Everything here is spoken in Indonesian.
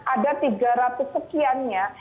ada tiga ratus sekiannya